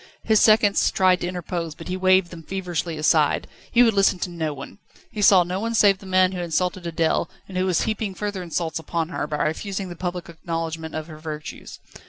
His seconds tried to interpose, but he waved them feverishly aside. He would listen to no one. He saw no one save the man who had insulted Adèle, and who was heaping further insults upon her, by refusing this public acknowledgment of her virtues.